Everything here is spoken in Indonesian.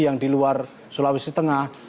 yang diluar sulawesi tengah